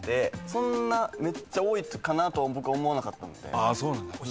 そんなめっちゃ多いかなとは僕は思わなかったので。